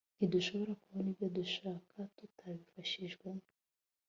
ntidushobora kubona ibyo dushaka tutabifashijwemo